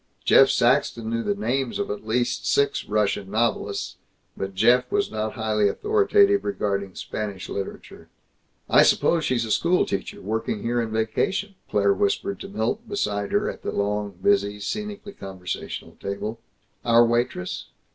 Jeff Saxton knew the names of at least six Russian novelists, but Jeff was not highly authoritative regarding Spanish literature. "I suppose she's a school teacher, working here in vacation," Claire whispered to Milt, beside her at the long, busy, scenically conversational table. "Our waitress?